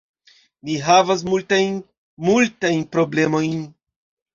Ni havas multajn, multajn problemojn.